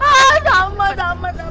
ah damai damai